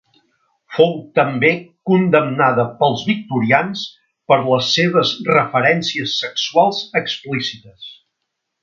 Fou també condemnada pels victorians per les seves referències sexuals explícites.